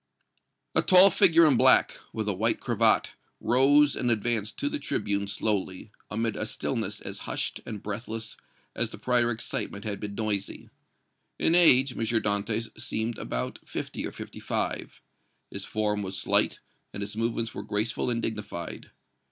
A tall figure in black, with a white cravat, rose and advanced to the tribune slowly, amid a stillness as hushed and breathless as the prior excitement had been noisy. In age, M. Dantès seemed about fifty or fifty five. His form was slight and his movements were graceful and dignified.